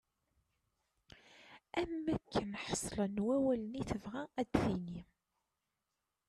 Am wakken ḥeslen wawalen i tebɣa ad d-tini.